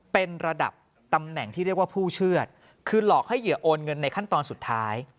เป็นระดับตำแหน่งที่เรียกว่าผู้เชื่อดคือหลอกให้เหยื่อโอนเงินในขั้นตอนสุดท้าย